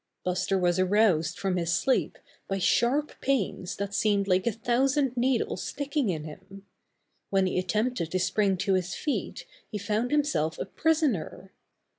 Buster was aroused from his sleep by sharp pains that seemed like a thousand needles sticking in him. When he attempted to spring to his feet he found himself a prisoner.